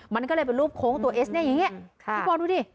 มันก็เลยเป็นรูปโค้งตัวเอสเนี่ยอย่างนี้พี่บอลดูดิ